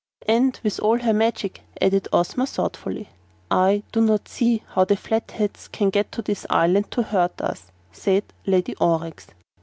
"And with all her magic," added Ozma, thoughtfully. "I do not see how the Flatheads can get to this island to hurt us," said Lady Aurex.